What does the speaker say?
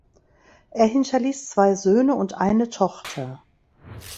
Er hinterließ zwei Söhne und eine Tochter.